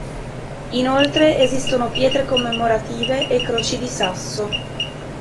Inoltre esistono pietre commemorative e croci di sasso.